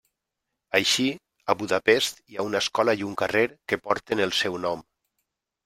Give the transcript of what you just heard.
Així, a Budapest hi ha una escola i un carrer que porten el seu nom.